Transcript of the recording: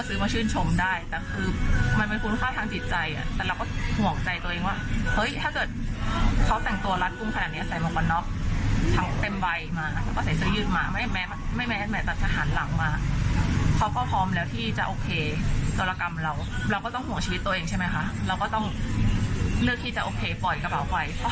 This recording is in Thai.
ถ้าเขาโมโหเราขึ้นม่ะเขามีเสี่ยบเราแบบนี้แหละ